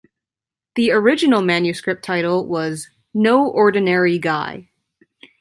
The original manuscript title was "No Ordinary Guy".